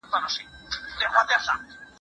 هر ورزش مناسب وخت غواړي.